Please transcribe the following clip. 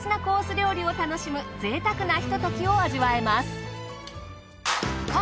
料理を楽しむ贅沢なひとときを味わえます。